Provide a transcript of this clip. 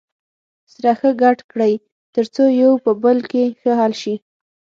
سره ښه ګډ کړئ تر څو یو په بل کې ښه حل شي.